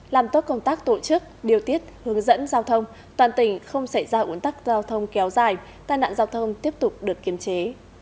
làm tốt công tác tổ chức điều tiết hướng dẫn giao thông toàn tỉnh không xảy ra uốn tắc giao thông kéo dài tai nạn giao thông tiếp tục được kiềm chế